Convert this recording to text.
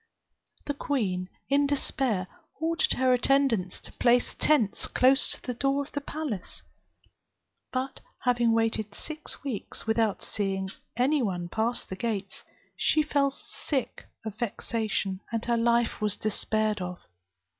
The queen, in despair, ordered her attendants to place tents close to the door of the palace; but having waited six weeks, without seeing any one pass the gates, she fell sick of vexation, and her life was despaired of.